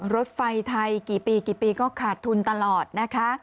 รถไฟไทยกี่ปีกี่ปีก็ขาดทุนตลอดนะคะ